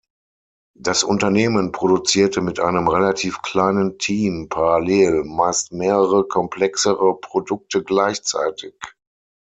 Das Unternehmen produzierte mit einem relativ kleinen Team parallel meist mehrere komplexere Produkte gleichzeitig.